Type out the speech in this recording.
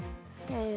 え。